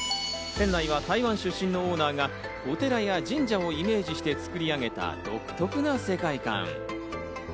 店内は台湾出身のオーナーがお寺や神社をイメージして作り上げた独特な世界観。